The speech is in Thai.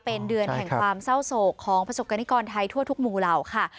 เป็นเดือนแห่งความเศร้าโศกของประสบกรณิกรไทยทั่วทุกหมู่เหล่าค่ะ